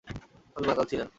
আমি মাতাল ছিলাম!